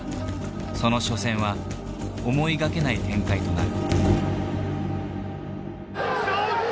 その初戦は思いがけない展開となる。